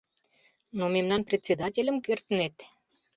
Но мемнан председательым кертнет?